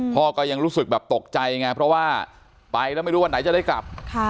พ่อก็ยังรู้สึกแบบตกใจไงเพราะว่าไปแล้วไม่รู้วันไหนจะได้กลับ